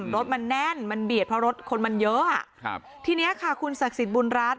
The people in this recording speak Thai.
รถมันแน่นมันเบียดเพราะรถคนมันเยอะอ่ะครับทีนี้ค่ะคุณศักดิ์สิทธิบุญรัฐ